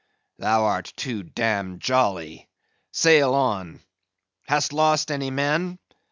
"Thou art too damned jolly. Sail on. Hast lost any men?"